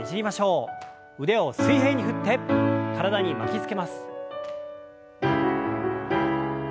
腕を水平に振って体に巻きつけます。